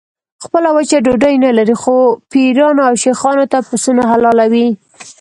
خپله وچه ډوډۍ نه لري خو پیرانو او شیخانو ته پسونه حلالوي.